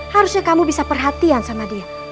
harusnya kamu bisa perhatian sama dia